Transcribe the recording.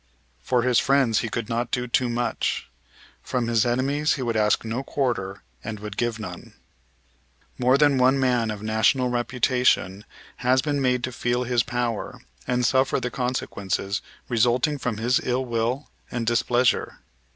For his friends he could not do too much. From his enemies he would ask no quarter and would give none. More than one man of national reputation has been made to feel his power, and suffer the consequences resulting from his ill will and displeasure.